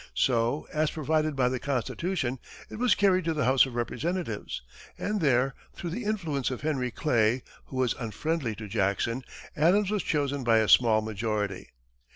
So, as provided by the Constitution, it was carried to the House of Representatives, and there, through the influence of Henry Clay, who was unfriendly to Jackson, Adams was chosen by a small majority.